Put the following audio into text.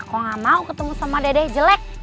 aku gak mau ketemu sama dedeh jelek